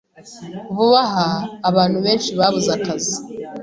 Vuba aha, abantu benshi babuze akazi.